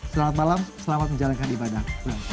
selamat malam selamat menjalankan ibadah